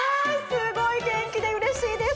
すごいげんきでうれしいです。